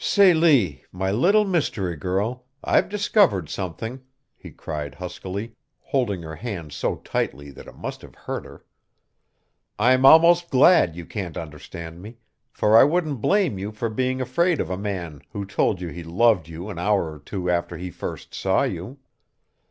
"Celie my little mystery girl I've discovered something," he cried huskily, holding her hands so tightly that it must have hurt her. "I'm almost glad you can't understand me, for I wouldn't blame you for being afraid of a man who told you he loved you an hour or two after he first saw you.